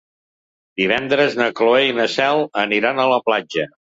Divendres na Cloè i na Cel aniran a la platja.